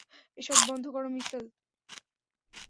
এসব বন্ধ করো, মিশেল।